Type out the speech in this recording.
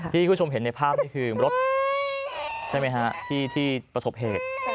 ที่คุณชมเห็นในภาพนี่คือรถที่ประชบเหตุ